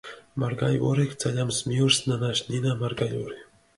მარგალ ვორექ: ძალამს მიჸორს ნანაშ ნინა მარგალური.